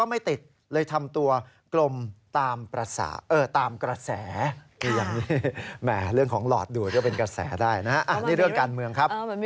นี่อาทรณ์การเมืองครับ